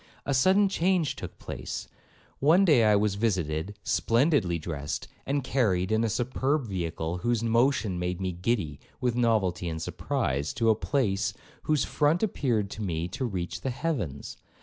A sudden change took place;—one day I was visited, splendidly dressed, and carried in a superb vehicle, whose motion made me giddy with novelty and surprise, to a palace whose front appeared to me to reach the heavens.